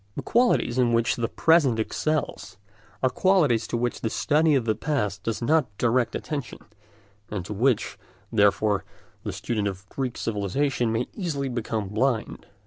The qualities in which the present excels are qualities to which the study of the past does not direct attention, and to which, therefore, the student of Greek civilisation may easily become blind.